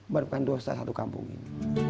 merupakan dosa satu kampung ini